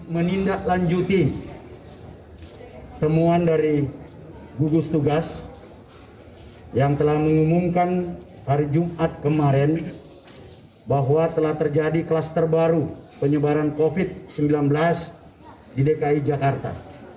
menindaklanjuti temuan dari gugus tugas yang telah mengumumkan hari jumat kemarin bahwa telah terjadi klaster baru penyebaran covid sembilan belas di dki jakarta